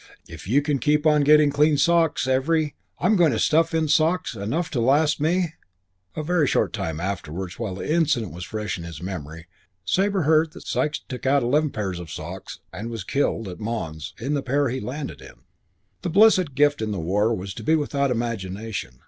If you can keep on getting clean socks every I'm going to stuff in socks enough to last me " [Footnote 1: A very short time afterwards, while the incident was fresh in his memory, Sabre heard that Sikes took out eleven pairs of socks and was killed, at Mons, in the pair he landed in.] II The blessed gift in the war was to be without imagination.